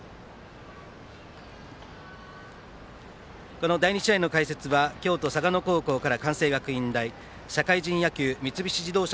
この第２試合の解説は京都・嵯峨野高校から関西学院大社会人野球、三菱自動車